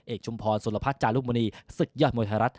ชุมพรสุรพัฒน์จารุมณีศึกยอดมวยไทยรัฐ